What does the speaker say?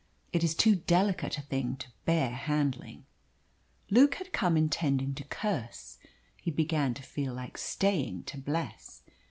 It is too delicate a thing to bear handling. Luke had come intending to curse. He began to feel like staying to bless.